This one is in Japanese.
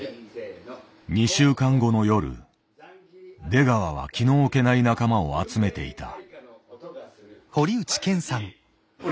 ２週間後の夜出川は気の置けない仲間を集めていた。